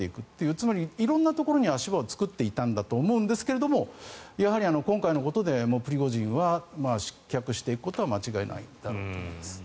つまり色んなところに足場を作っていたと思うんですがやはり今回のことでプリゴジンは失脚していくことは間違いないんだろうと思います。